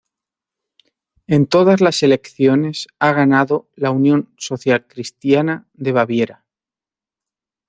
En todas las elecciones ha ganado la Unión Socialcristiana de Baviera.